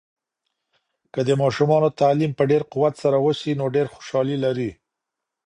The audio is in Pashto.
که د ماشومانو تعلیم په ډیر قوت سره وسي، نو ډیر خوشحالي لري.